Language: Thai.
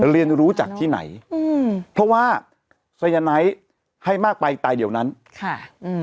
เรียนรู้จากที่ไหนอืมเพราะว่าสายไนท์ให้มากไปตายเดี๋ยวนั้นค่ะอืม